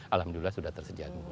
alhamdulillah sudah tersejati